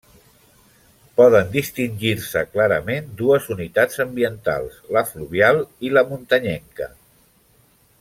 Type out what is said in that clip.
Poden distingir-se clarament dues unitats ambientals, la fluvial i la muntanyenca.